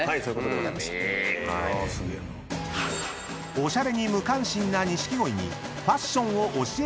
［おしゃれに無関心な錦鯉に］